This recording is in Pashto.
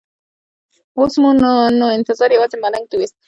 اوس مو نو انتظار یوازې ملنګ ته وېست.